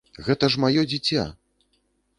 Гэта ж маё дзіця!